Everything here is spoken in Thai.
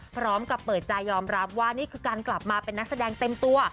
พร้อมกับเปิดใจยอมรับว่านี่คือการกลับมาเป็นนักแสดงเต็มตัว